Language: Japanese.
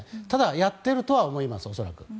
ただ、恐らくやっているとは思います。